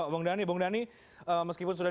bung dhani bung dhani meskipun sudah